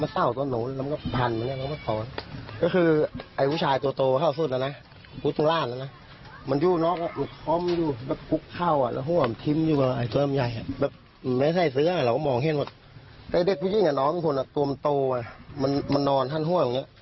ตัวมันโตมันนอนท่านห้วง